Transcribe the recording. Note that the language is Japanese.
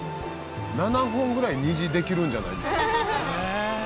７本ぐらい虹できるんじゃないですか。